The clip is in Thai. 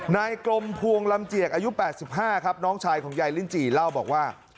นายกรมพวงลำเจียกอายุ๘๕ครับน้องชายของยายลิ้นจีเล่าบอกว่า